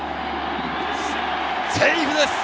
セーフです。